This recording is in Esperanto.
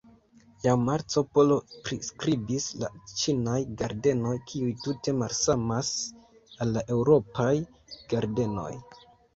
Jam Marco Polo priskribis la ĉinaj ĝardenoj, kiuj tute malsamas al la eŭropaj ĝardenoj.